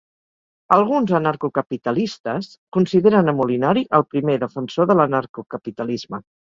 Alguns anarcocapitalistes consideren a Molinari el primer defensor de l'anarcocapitalisme.